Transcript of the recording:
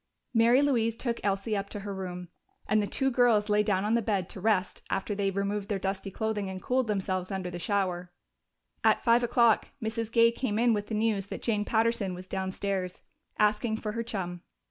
Mary Louise took Elsie up to her room, and the two girls lay down on the bed to rest after they had removed their dusty clothing and cooled themselves under the shower. At five o'clock Mrs. Gay came in with the news that Jane Patterson was downstairs, asking for her chum.